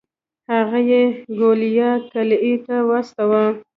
هغه یې ګوالیار قلعې ته واستوه.